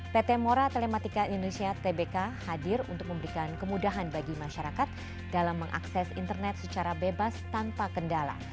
pt mora telematika indonesia tbk hadir untuk memberikan kemudahan bagi masyarakat dalam mengakses internet secara bebas tanpa kendala